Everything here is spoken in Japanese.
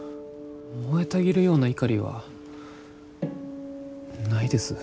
燃えたぎるような怒りはないです。